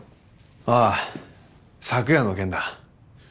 ああ昨夜の件だ。